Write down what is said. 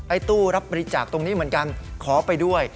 ตู้รับบริจาคตรงนี้เหมือนกันขอไปด้วย